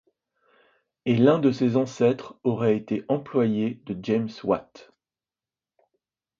Et l'un de ses ancêtres aurait été employé de James Watt.